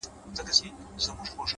چي له تا مخ واړوي تا وویني”